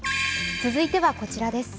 続いてはこちらです。